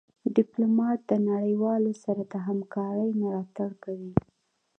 ډيپلومات د نړېوالو سره د همکارۍ ملاتړ کوي.